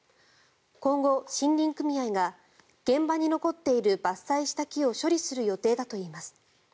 今後、森林組合が現場に残っている伐採した木を処理する予定だといいます。